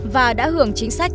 và đã hưởng chính sách